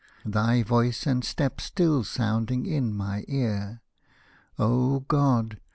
Thy voice and step still sounding in my ear — O God